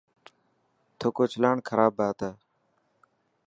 ٿڪ اوچلاڻ خراب بات هي.